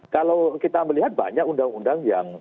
kalau kita melihat banyak undang undang yang